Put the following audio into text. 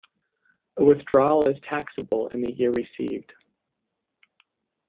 A withdrawal is taxable in the year received.